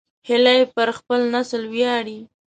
هیلۍ پر خپل نسل ویاړي